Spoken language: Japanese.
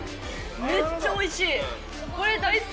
めっちゃおいしい！